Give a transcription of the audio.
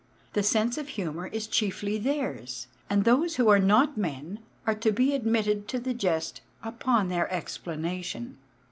The sense of humour is chiefly theirs, and those who are not men are to be admitted to the jest upon their explanation.